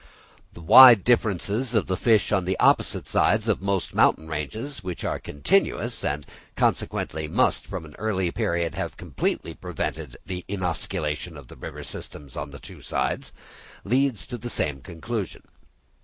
The wide differences of the fish on the opposite sides of most mountain ranges, which are continuous and consequently must, from an early period, have completely prevented the inosculation of the river systems on the two sides, leads to the same conclusion.